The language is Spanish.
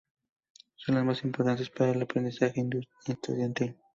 Son la mas importante para el aprendizaje estudiantil.